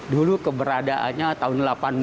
dulu keberadaannya tahun seribu delapan ratus empat puluh